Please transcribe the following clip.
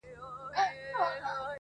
د هندو او کلیمې یې سره څه,